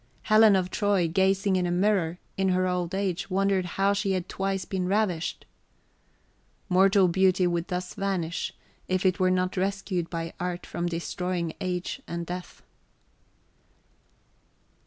"Helen of Troy, gazing in a mirror, in her old age, wondered how she had twice been ravished." Mortal beauty would thus vanish, if it were not rescued by art from destroying age and death.